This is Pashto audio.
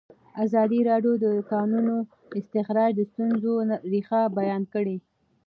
ازادي راډیو د د کانونو استخراج د ستونزو رېښه بیان کړې.